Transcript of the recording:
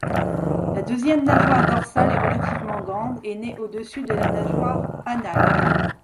La deuxième nageoire dorsale est relativement grande et naît au-dessus de la nageoire anale.